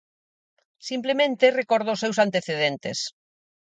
Simplemente recordo os seus antecedentes.